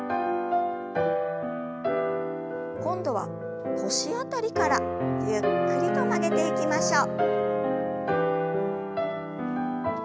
今度は腰辺りからゆっくりと曲げていきましょう。